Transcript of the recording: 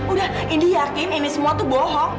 udah ini yakin ini semua tuh bohong